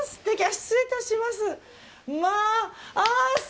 失礼いたします。